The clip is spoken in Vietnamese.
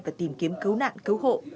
và tìm kiếm cứu nạn cứu hộ